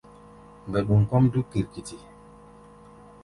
Mbɛɗum kɔ́ʼm dúk kirkiti.